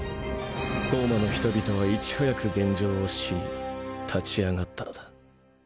ホウマの人々はいち早く現状を知り立ち上がったのだ。